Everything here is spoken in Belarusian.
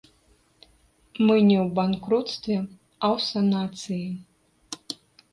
Мы не ў банкруцтве, а ў санацыі.